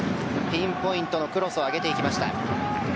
ピンポイントのクロスを上げていきました。